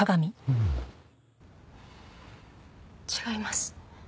違います。